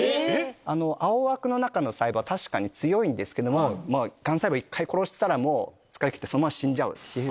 青枠の中の細胞は確かに強いんですけどもがん細胞１回殺したら疲れきってそのまま死んじゃう。